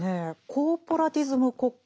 「コーポラティズム国家」。